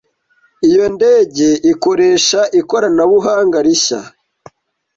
Iyo ndege ikoresha ikoranabuhanga rishya.